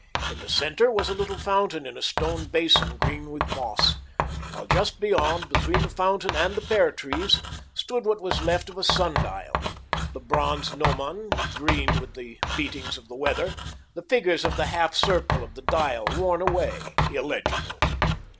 In the centre was a little fountain in a stone basin green with moss, while just beyond, between the fountain and the pear trees, stood what was left of a sun dial, the bronze gnomon, green with the beatings of the weather, the figures on the half circle of the dial worn away, illegible.